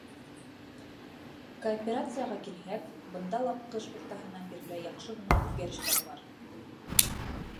Кооперацияға килһәк, бында ла ҡыш уртаһынан бирле яҡшы ғына үҙгәрештәр бар.